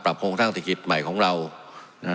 ปรับโครงทางเศรษฐกิจใหม่ของเรานะครับ